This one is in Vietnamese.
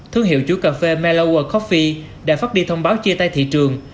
thương hiệu chuỗi cà phê malowa coffee đã phát đi thông báo chia tay thị trường